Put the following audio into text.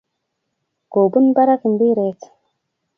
Kopun barak mpiret